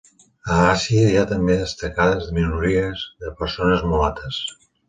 A Àsia hi ha també destacades minories de persones mulates.